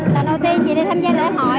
lần đầu tiên chị đi tham gia lễ hội